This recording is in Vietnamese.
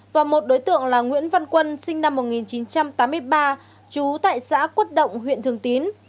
và một đối tượng là nguyễn văn quân sinh năm một nghìn chín trăm tám mươi ba trú tại xã quất động huyện thường tín